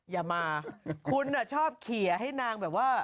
อย่ามาคุณชอบเขียให้นางแบบว่า